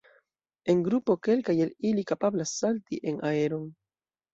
En grupo kelkaj el ili kapablas salti en aeron.